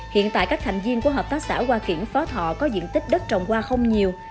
hiện tại các thành viên của hợp tác xã hoa kiển phó thọ có diện tích đất trồng hoa không nhiều